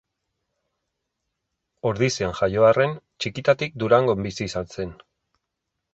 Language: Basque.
Ordizian jaio arren, txikitatik Durangon bizi izan zen.